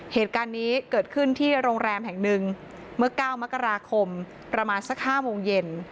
เหตุการณ์นี้เกิดขึ้นที่โรงแรมแห่งหนึ่งเมื่อ๙มกราคมประมาณสัก๕โมงเย็น